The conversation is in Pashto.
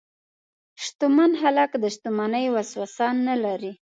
شتمن خلک د شتمنۍ وسوسه نه لري.